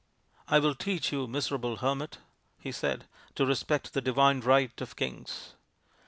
" I will teach you, miserable hermit," he said, " to respect the Divine Right of Kings."